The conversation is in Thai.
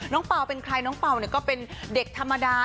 น้องเปล่าเป็นใครน้องเปล่าก็เป็นเด็กธรรมดา